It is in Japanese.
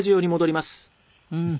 うん。